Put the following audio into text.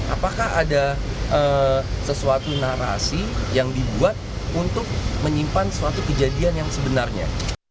apakah ada sesuatu narasi yang dibuat untuk menyimpan suatu kejadian yang sebenarnya